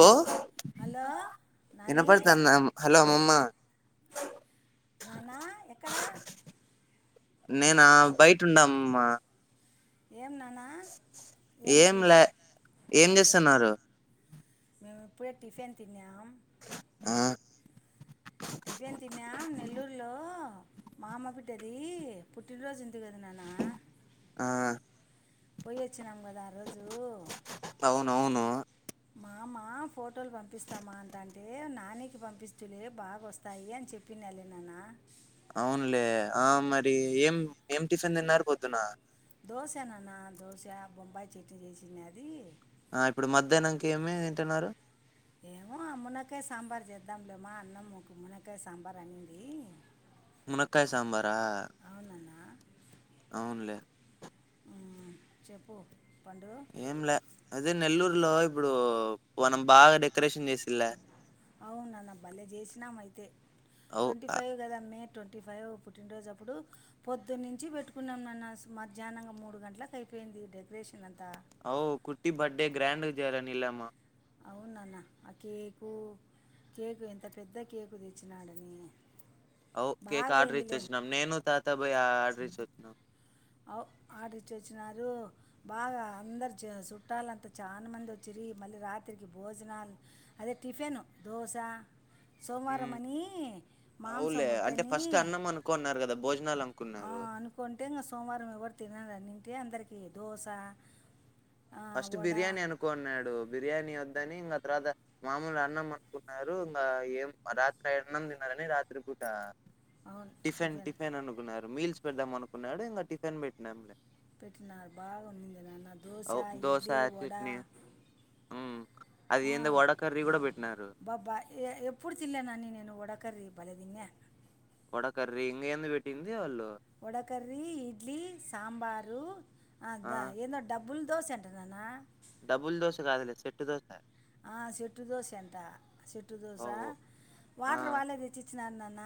హ హలో నాని ఎనప్పడుతున్నా హలో అమ్మమ్మ నాన్నా ఎక్కడా నేన బయట ఉన్నా అమ్మమ్మ ఏం నానా ఏం ఏంటి లే ఆ ఏం చెప్పు చేస్తున్నారు మేము ఇప్పుడే టిఫిన్ తిన్యాం ఆ టిఫిన్ తిన్నాం నెల్లూరులో మా అమ్మ పిట్టది పుట్టినరోజు ఉంది కదా నాన్న ఆ పోయి వచ్చినం కదా ఆ రోజు అవునవును మామ ఫోటోలు పంపిస్తామా అంటంటే నాని కి పంపించుస్తలే బాగా వస్తాయి అని చెప్పి నాను లే నాన్నా అవునులే ఆ మరి ఏం ఏం టిఫిన్ తిన్నారు పొద్దున దోశ నాన్న దోశ బొంబాయి చెట్నీ చేసినాది అది ఆ ఇప్పుడు మధ్యాహ్నంకి ఏమి తింటున్నారు ఏమో ఆ మునకాయ సాంబార్ చేద్దాంలేమా అన్నంకు మునకాయ సాంబార్ అనింది మునక్కయ సాంబారా అవునన్నా అవునులే ఆ చెప్పు పండు ఏం లే అదే నెల్లూరులో ఇప్పుడు మనం బాగా డెక్ అవునాన్న భళ్లేె చేసినాం అయితే అవు ట్వంటీ ఆ, ఫైవ్ కదా మే ట్వంటీ ఫైవ్ పుట్టినరోజు అప్పుడు పొద్దు నుంచి పెట్టుకున్నాం నాన్న మధ్యాహ్నంగా మూడు గంటలకు అయిపోయింది డెకరేషన్ అంతా అఓ కుట్టి బడ్త్డే గ్ర్యాండ్గ చేయాలనిలే మా అవున అన్న ఆ కేకు కేకు ఎంత పెద్ద కేకు తెచ్చినాడని అఓ కేక్ బాగా ఆర్డర్ అయిందిలే ఇచ్చొచ్చిన్నాం నేను తాత బోయి ఆర్డర్ ఇచ్చోచ్చు నో అవు ఆర్డర్ ఇచ్చి వచ్చినారు బాగా అందరు చుట్టాల అంత చాలా మంది వచ్చిరి మళ్ళీ రాత్రికి భోజనాలు అదే టిఫిన్ దోశ సోమవారం అని మాంసం అవులే అంటే వద్దని ఫస్ట్ అన్నం అనుకోన్నారు కదా భోజనాలు అను ఆ అనుకుంటే ఇంకా సోమవారం ఎవరు తినారన అన్నింటే అందరికి దోస ఫస్ట్ బిర్యానీ అనుకొన్యాడు బిర్యానీ వద్ ద్దని ఇంగ ఆ తర్వాత మామూలు అన్నం అనుకున్నారు ఇంగా ఏం రాత్రి ఆ అన్నం తినరని రాత్రి పూట. టిఫెన్ టిఫిన్ అనుకున్నారు మీల్స్ పెడదాం అనుకున్నాడు ఇంగ టిఫిన్ పెట్టినాంలే పెట్టిన బాగా నింది నా దోశ అవ్ దోస, చట్నీ హ్మ్. అది ఏందో వడ కర్రీ గూడా బెట్టినారు. ఎ న పడుదింగా వడకర్రీ ఇం ఎందు పెట్టింది వాళ్ళు వడకర ఇడ్లీ సాంబార్ అ ఆ! అదా ఏదో డబ్బ బుల్దో ఎంటర్ అన్న డబుల్ దోశ కాదుద సెట్టు దోశ చెట్టుదోశ అంట చెట్టుదోశ ఓహో! ఆ! వాటర్ వాళ్ళే తెచ్చిచ్చినా నాన్న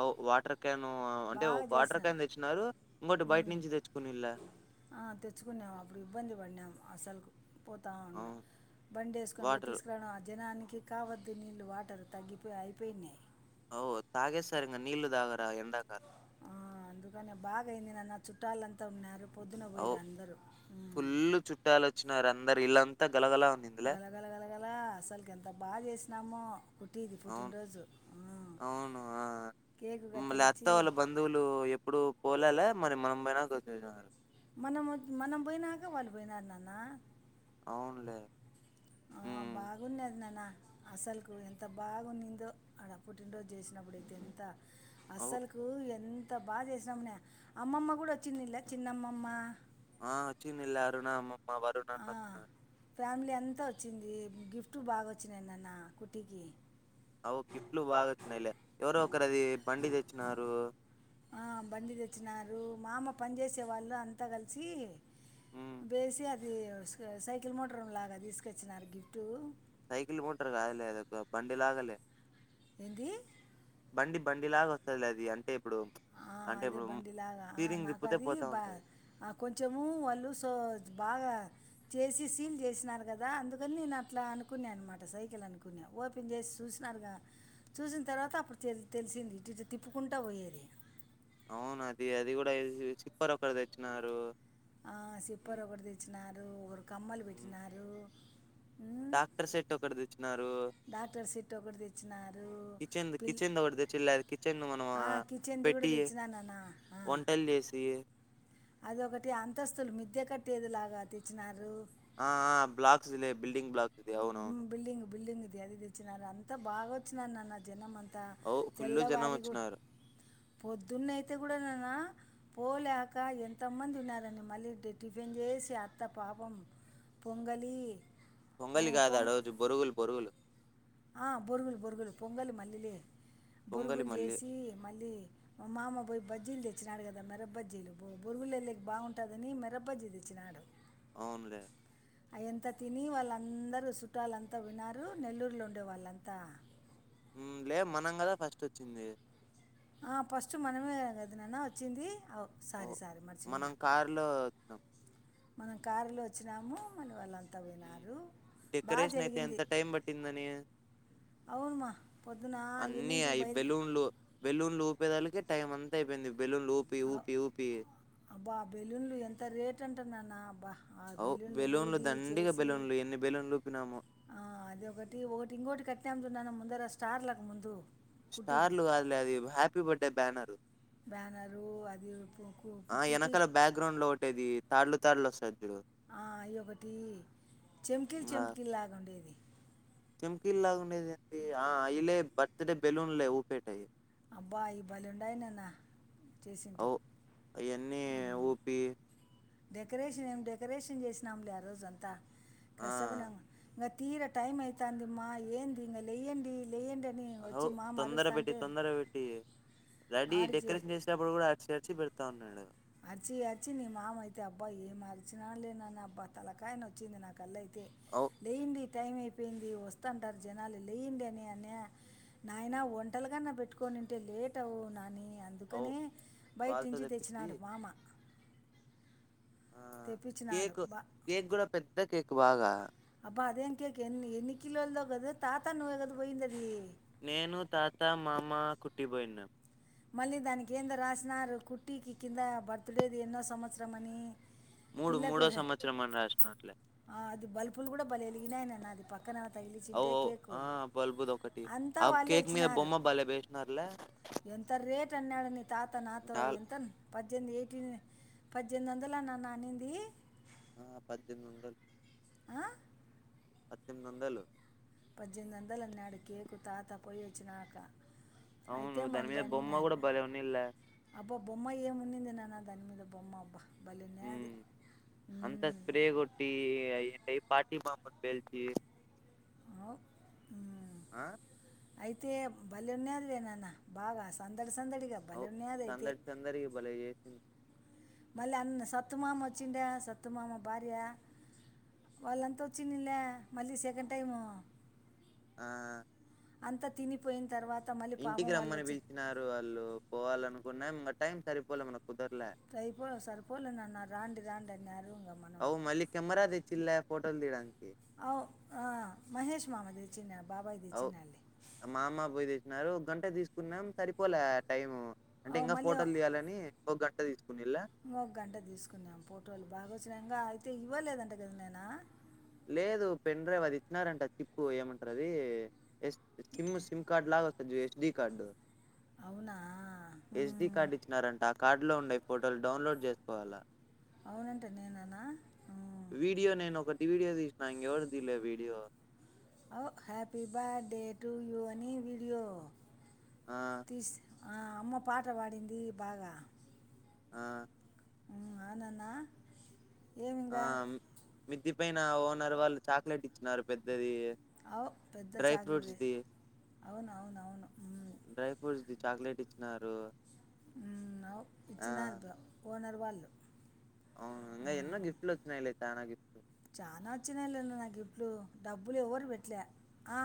అవ్ వాటర్ క్యాను అంటే బాగా ఒక వాటర్ చేసినాను క్యాన్ దెచ్చినారు. ఇంకోటి బయట నుంచి దెచ్చుకొనిళ్ళా. తెచ్చుకున్నాము అప్పుడు ఇబ్బంది పడినాము అసలుకు పోతా ఉన్నా అవును. బం వేసుకొని పోయి వాటర్. తీసుకురావడం ఆ జనానికి కావద్దు నీళ్ళలు వాటర్ తగ్గిపోయి అయిపోయినాయి ఓ తగే సార్ంగా నీళ దాగ ఆ అందుకనే బాగాయింది నాన్న చుట్టాలంతా ఉన్నారు పొద్దున ఓ పోయిరు అందరూ ఫుల్ ఉమ్. చుట్టాలు వచ్చినారు అందరు ఇల్లంత గలగల గలగల అసలుకి ఎంత బాగా చేస్త నమ అవును అవును ఆ కేకు లేత్త కత్తిరించి వాళ్ళ బంధువులు ఎప్పుడు పోలాలా మరి మనంపైనార్సినన్నారు మనం మనం పోయినాక వాళ్ళు పోయిన నాన్న అవునులే. ఆ, హ్మ్. బాగున్నది నాన్న అసలుకు ఎంత బాగున్నిందో అడ పుట్టినరోజు చేసినప్పుడైతే ఎంత అవ్ అసలుకు ఎంత అంత బా చేసినాము అమ్మమ్మ కూడా వచ్చిందిలే చిన్నమ్మమ్మ ఆచ్చిన్ల్ అరుణమ్ ఆ మా ఆ, వరుణాన్నా ఫ్యామిలీ అంతా వచ్చింది గిఫ్ట్ బాగా వచ్చింది నాన్న కుట్టి కి అవు గిప్టులు బాగా వచ్చినయిలే ఎవరో ఒకరు అది బండి తెచ్చినారు ఆ బండి తెచ్చినారు మా అమ్మ పని చేేసే వాళ్ళు అంతా కలిసి హ్మ్. బేసి అది ఇది సై సైకిల్ మోటార్ లాగా తీసుకొచ్చినారా గిఫ్టు సైకిల్ మోటర్ కాదులే అదొక బండి లాగలే ఏందీ బండి లాగా వత్తదిలే అది అంటే ఇప్పుడు ఆ అంటే అదే ఇప్పుడు బండిలాగా ఆ స్టీరింగ్ నాకు తిప్పితే అది పోతా బా ఉంటది. ఆ కొంచెము వాళ్ళు సో బాగా చేసి సీల్ చేసినారు గదా అందుకని నేను అట్లా అనుకునే అన్నమాట సైకిల్ అనుకున్న ఓపెన్ చేసి చూసినారుగా చూసిన తర్వాత అప్పుడు తెలిస్ తెలిసింది ఇట్టిట్ట తిప్పుకుంటా పోయేది. అవును అది అది కూడా వేసి సిప్పర్ ఒకరు తెచ్చినారు. ఆ సిప్పర్ ఒకటి తెచ్చినారు ఒకరు కమ్మలు హ్మ్. పెట్టినారు. ఉమ్, డాక్టర్ సెట్టు ఒకటి తెచ్చు డాక్టర్ సెట్ ఒకటి తెచ్చినారు. పిల్ కిచెన్ ను మనం కిచెన్ది కూడా పెట్టి తెచ్చినానన్న వంటలు చేసి అది ఒకటి అంతస్తులు మిద్ద్య కట్టేది లాగా తెచ్చినారు. ఆ బ్లాక్స్ ఇదే బల్డింగ్ బ్లాక్ బిల్డింగ్ బిల్డింగ్ జ్యాధ తెచ్చినారు అంత బాగా వచ్చినానన్న జనం అంత ఔ ఫుల్లు జనం వచ్చినారు. పొద్దున్న అయితే కూడాననా పోలేక ఎంతమంది ఉన్నారండి మళ్ళీ టి టిఫిన్ చేసి అత్త పాపం పొంగలీ పొంగలి కాదా రోజు బొరుగులు బొరుగులు ఆ బొరుగుల్ బొరుగుల్ పొంగలి మళ్ళలి పొంగలి బొరుగులు మళ్ళీ. చేసి మళ్ళీ మామ పోయి బజ్జీలు తెచ్చినాడు గదా మిరపబజ్జీలు బొరుగుల ల్లోకి బాగుంటాదని మిరపబజ్జీ తెచ్చినాడు. అవునులే అయంత తిని వాళ్ళందరూ చుట్టాలంతా వున్నారు నెల్లూరులో ఉ ఆడవాల్లంతా హ్మ్ లే మనం కదా ఫస్ట్ వచ్చింది. ఆ ఫస్ట్ మనమే గద నాన్న వచ్చింది. ఓ సారీ ఓహ్! సారీ మనం మర్చిపోనా కారులో ఒచ్చినాం. మనం కారులో వచ్చినాము. మన వాళ్ళ డెకరేషన్ అయితే ఎంత టైం పట్టిందని అవును మా పొద్దున అన్నీ ఎన్నింటికి అయి బయలు బెలూన్లు బెలూన్లు పేదాలకే టైమ్ అంతా అయిపోయింది. బెలూన్లు ఊపి ఊపి ఊపి అబ్బా బెలూన్లు ఎంత రేట్ అంటున్నాన్న అబ్బా ఆ అవ్ బెలూన్లు ఊది దండిగా చేసి బెలూన్లు ఎన్ని బెలూన్లు ఊపినామో. ఆ అది ఒకటి ఒకటి ఇంకోటి కట్టేము చూడు నాన్నా అందర స్టార్లకు ముందు స్టార్ కుట్టికి లు గాదులే అవి హ్యాపీ బర్ దే బ్యానరు బ్యానరు అది రపు ఆ వెనకాల బ్యాక్గ్రౌండ్ లో ఒకటేది తాలు తాడ్లు వస్తుంది ఆ ఇ ఒకటి చెంికీలు చెంికీలు లాగా ఉండేది చంకీల్ లాగా ఉండేదేంది ఆ ఇలే బర్త్ డే బెలూన్లే ఊపేట్ అబ్బా ఈ బలి ఉండాయి నన్న చేసింటే అవ్ అయన్నీ ఊపి డెకరేషన్ ఏం డెకరేషన్ చేసినాంలే ఆ రోజు అంతా ఆ కష్టపడ్డాం తీర టైమ్ అయితాందమ్మా ఏంది ఇంగ లేెయ్యండి అవు తొందర పెట్టి తొందర పెట్టి రెడిీ ఆడిచి డెకొరేషన్ చేసినప్పుడు కూడా ఆరిచ్ వచ్చిపేడతాన్నన్నాెడగా అచ్చి అచ్చి నీ మామ అయితే అబ్బా ఏమర్చినాడులే నాన్న అబ్బా తలకాయన నోచ్చింది నాకల్లయి అవ్ లేయండి టైం అయిపోయింది వస్తుంటారు జనాలు లేయంండ అని అని నాయన ఒంటలుగాన్నా పెట్టు కో నింటే లేట్ అవు నని అవ్ అందుకనే బయట వాళ్ళతో నుంచి తెప్పించి తెచ్చినాడు మమ ఆ కేక్ కేక్ కూడా పెద్ద కేక్ క్కు బాగా అబా అదేం కక ఎనీ ఎన్ని కిలోోళ్ ద కదు తాతా నువ్వే గాదు పోయి్యందది. నేను తాత మామ కుట్టిబయినా మళ్ళీ దానికి ఏంద రాసినారు కుట్టికి కింద బర్త్ డేది ఎన్నో సంవత్సరం అని మూడు మూడో పిల్లలకుహ సంవత్సరం అని రాసినట్లే ఆ అది బల్పులు కూడా భలే ఎలిగినాయనాన్న. పాక్ అవువు ఆ బల్బుద్ ఒకటి అంతా ఆ వాళ్ళే కేక్ మీద ఇచ్చినారు బొమ్మ బలే వేసినర్లే ఎంత రేట్ అన్నాడు నీ తాత నాతో ఎంత పద్జేనిమిది ఎయి పద్జేనిమిది వందల నాన్న నానింది ఆ పద్దెమిందల్ ఆ పద్దెమింద వందలు పద్జేనిమిది వందలు అన్నాడు కేకు తాత పోయి వచ్చినాక అవును అయితే దాని మళ్ళీ మీీద అని బొమ్మ కూడా నేను భలేన్నిల్లా అబ్బా బొమ్మ ఏం ఉనింది నాన్న దాని మీద బొమ్మ అబ్బ ఉ అంత స్ప్రే కొట్టి ఎ పార్టీ మా పేల్చ ఆవు హ్మ అయితే బలే ఉన్నాది లేనాన్న బాగా సందడి సందడిగా అవు భలేనేది అయితే సందడి సందడిగా భలే చేసింది. మళ్ళీ అన్న సత్తుమామ వచ్చిండా సత్తుమామ భార్యా, వాళ్ళంతా వచ్చిందిళ్లే మళ్ళీ సెకండ్ టైమూ. ఆ అంతా తినిపోయిన్ తర్వాత్ ఇంటికి రమ్మని పిలిచినారు వాళ్ళు పోవాలను ఉన్నా టైం సరిపోలే మనక్ సైపోలే సరిపోలే నాన్న రాండి రాండ్ డన్నారూ అవు మళ్ళీ కెమెరా తెచ్చిన్లా ఫోటోలు తీయడానికి. న్న మామ తెచ్చినామ్ అవు. మామ్మ పోయి తీచ్చినారు గంట తీసుకున్నాం సరిపోలే టైమూ. అవు మళ్ళీ తీసుకునిలా ఇంగ ఒక గంట తీసుకున్నాం ఫోటోలు బాగా వచ్చినయి ఇంగా అ తే ఇవ్వలేదంట గదా నైనా. లేదు పెన్ డ్రైవ్ అది ఇచ్చినారంట చిప్పు ఏమంటరదీ ఎస్ సిమ్ సిమ్ కార్డు లాగా వస్తది చూడు ఎస్డి కార్డు. అవునా ఎస్డి ఉమ్. కార్డు ఇచ్చినారంట ఆ కార్డు లో ఉండయి. ఫొటోల్ డౌన్లోడ్ చేసుకోవాలా. అవునంట నేనేనా ఊ వీడియో నేను ఒకటి వీడియో తీసిన ఇంగ ఎవరిది తీయలే వీడియో. ఓ happy birthday to you అనీ వీడియో ఆ తీస్ ఆ అమ్మ పాట పాడిందీ బాగా. ఆ ఊ అవునాన్న. ఆ మిద్ది పైనా ఓన్ నరు వాళ్ళు చాక్లెట్ ఇచ్చినారు పెద్దదీ. అవు పెద్ద చాక్లెట్ తె అవును అవును అవును ఉమ్. న్నారు ఉమ్ అవు ఇచ్చినారు బ ఓనర్ వాళ్ అవును ఇంగ ఎన్నో గిఫట్ లు వచ్చినాయిలే చానా గిఫ్టులు. చ్చినాయి లే నాన్న గిఫ్ట్లూ డబ్బులు ఎవ్వరు పెట్లే. ఆ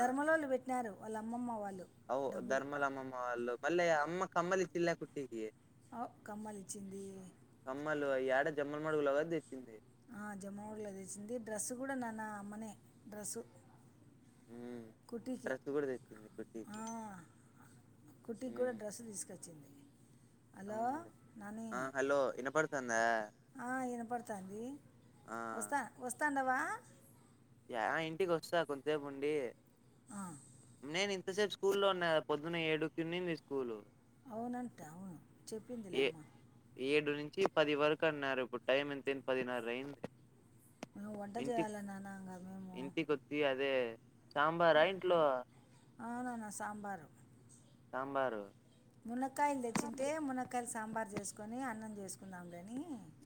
ధర్మలోళ్ళు పెట్నారు. వాళ్ల అమ్మమ్మ వాళ్ అవు ధర్మలమ్మమ్మ వాళ్లకు. మళ్ళ అమ్మ కమ్మలు ఇచ్చింలే కుట్టింకి. ఆవ్ కమ్మలు ఇచ్చింది. జమ్మల్ మడుగులో కాదు తెచ్చింది. ఆ జమ్ముల మడుగులో తెచ్చింది డ్రస్సు కూడా నాన్న అమ్మనే డ్రస్సు. హుమ్ డ్రెస్ కూడా తెచ్చింది ఆ, కుట్టికి కుటీకి కూడా ఉమ్ డ్రెస్ తీసుకొచ్చింది హలో నాని ఆ హలో వినపడుతుందా. ఆ వినపడుతాంది వస్తా వస్తా. అందవా. ఆహ్ ఇంటికి వస్తా కొంతసేపు ఉండి ఆ, నేను ఇంతసేపు స్కూల్ లో ఉన్నగదా పొద్దున్న ఏడుకు ఉన్నీంది స్కూల్. అవునంట అవును ఏ చెప్పిందిలేమ్మ. ఏడు నుంచి పది వరకు అన్నారు ఇప్పుడు టైం ఎంతేంది పదిన్నారు అయింది. ఆహ్ వంట చేయాలనాన్న. ఇంటికొతి అదే సాంబారా ఇంట్లో. అవునన్నా సాంబారు సాంబారు. మునకాయలు తెచ్చింటే మునక్కయల సాం. సాంబార్ చేసుకొని అన్నం చేసుకుందాంలే అని.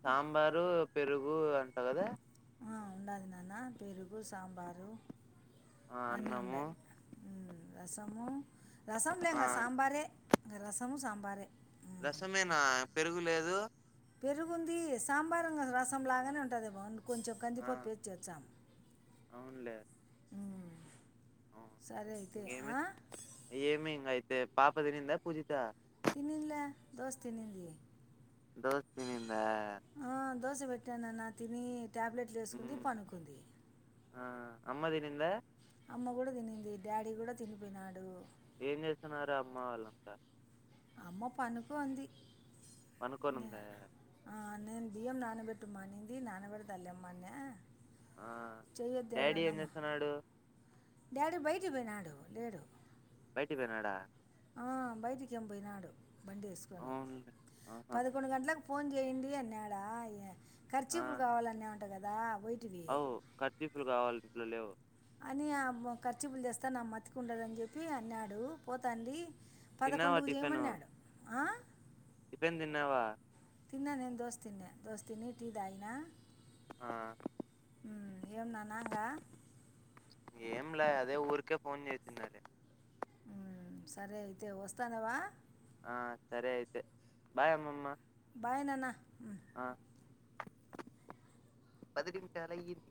సాంబారు పెరుగు అంటా కదా. ఉండాది నాన్న పెరుగు సాంబారు. ఆ అన్నీ అన్నము ఉండాయి రసము రసం ఆ లేంక సాంబారే. ఇంకా రసము సాంబారే. ఉమ్. రసమేనా పెరుగులేదు. పెరుగుంది సాంబారున్నది రసం లాగానే ఉంటది బాగు కొంచెం కంది ఆ పప్పు ఇచోచ్చా. ఆ ఇంగేమి ఏమి హింగ్యాతే. పాప తినిందా పూజిత. తినలే దోస్ తినింది. దోస్ తినిందా. దోస పెట్టననా తిని. ట్యాబ్లెట్లు వేసుకుంది పడుకుంది. ఆహ్ అమ్మా తినిందా. అమ్మ కూడా తినింది డాడీ కూడా తినిపోయినాడు. ఏం చేస్తున్నారు అమ్మ వాళ్ళంతా. అమ్మ పడుకుంది. పనుకోనుందా. నేను బియ్యం నానబెట్మానింది నానబెడతలేమ్మా అని. ఆ డాడీ ఏం చేస్తున్నాడు డ్యాడీ బయటికి పోయనాడు లేడు బయటికిపోయినాడా ఆ బయటికి జం పోయినాడు బండిఎసుకొని అవునులే ఆహా పదకొండు గంటలకు ఫోన్ ఏంది ఎన్నడాయ్య ఆ కర్చిపులూ కావాలన్నావ్ అంటకదా వైట్ వి లు లేవు అని ఆమ్ కర్చిపులు తెస్తాన మంచిగా ఉంటది అని చెప్పి అన్నాడు పోతాందీ తిన్నావా పదకొండుకు టిఫిన్ చేయమన్నాడు ఆ టిఫిన్ తిన్నావా తిన్నా నేను దోస తిన్నా దోసతిని టీ తాగిన ఆ నియమ్ననంగా లా అదే ఊరికే ఫోన్ చేసిన్నాది ఉ సరే అయితే వస్తన్నావా ఆ సరే అయితే బాయ్ అమ్మమ్మ బాయ్ నానా ఆ పది నిమిషాలు అయింది